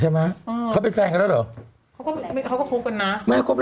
ใช่ไหมเขาเป็นแฟนกันแล้วเหรอเขาคุยกันนะ